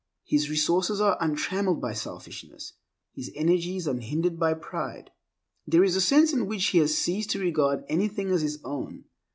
His resources are untrammeled by selfishness; his energies unhindered by pride. There is a sense in which he has ceased to regard anything as his own.